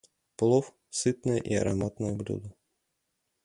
Плов - сытное и ароматное блюдо.